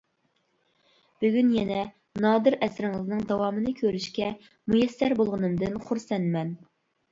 بۈگۈن يەنە نادىر ئەسىرىڭىزنىڭ داۋامىنى كۆرۈشكە مۇيەسسەر بولغىنىمدىن خۇرسەنمەن.